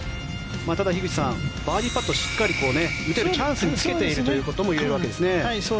ただ、樋口さんバーディーパットしっかり打てるチャンスにつけているということですね。